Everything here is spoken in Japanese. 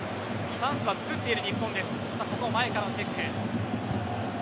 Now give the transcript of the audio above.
チャンスはつくっている日本です。